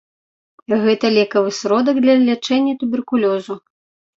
Гэта лекавы сродак для лячэння туберкулёзу.